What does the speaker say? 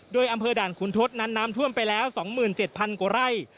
โดยอำเภอด่านขุนทศนั้นน้ำท่วมไปแล้ว๒๗๐๐กว่าไร่